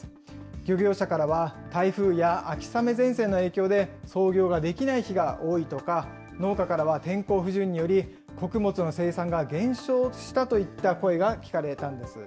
漁業者からは台風や秋雨前線の影響で、操業ができない日が多いとか、農家からは天候不順により穀物の生産が減少したといった声が聞かれたんです。